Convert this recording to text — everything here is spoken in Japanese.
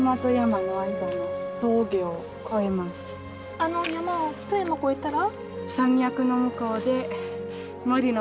あの山を一山越えたら？